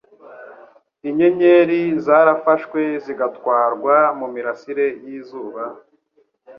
Inyenyeri zarafashwe zigatwarwa mumirasire yizuba?